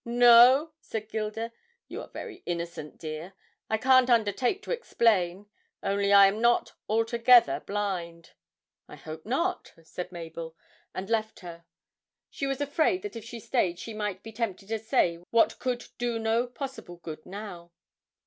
'No?' said Gilda. 'You are very innocent, dear. I can't undertake to explain only I am not altogether blind.' 'I hope not,' said Mabel, and left her. She was afraid that if she stayed she might be tempted to say what could do no possible good now.